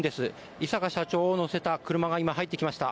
井阪社長を乗せた車が入ってきました。